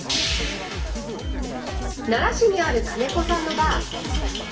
奈良市にある金子さんのバー。